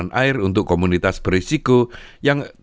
tergantung pada lokasi kolam